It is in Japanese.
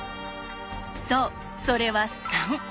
そうそれは「３」。